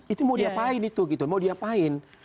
itu mau diapain itu gitu mau diapain